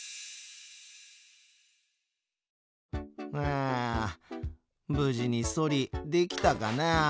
ああ無事にソリできたかな。